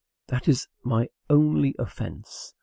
That is my only offence.